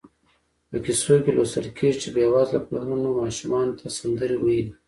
په کیسو کې لوستل کېږي چې بېوزله پلرونو ماشومانو ته سندرې ویلې.